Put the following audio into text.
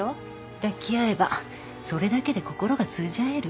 抱き合えばそれだけで心が通じ合える？